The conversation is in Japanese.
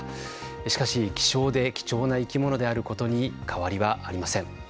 しかし、希少で貴重な生き物であることに変わりはありません。